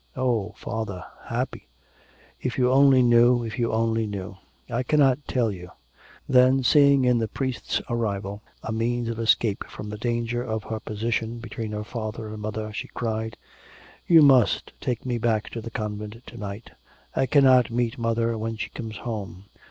'Oh, Father; happy! if you only knew, if you only knew.... I cannot tell you.' Then seeing in the priest's arrival a means of escape from the danger of her position between her father and mother, she cried, 'You must take me back to the convent to night. I cannot meet mother when she comes home.